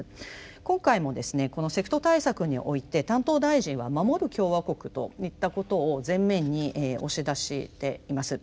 今回もですねこのセクト対策において担当大臣は守る共和国といったことを前面に押し出しています。